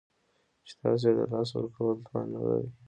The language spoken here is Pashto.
چې تاسو یې د لاسه ورکولو توان نلرئ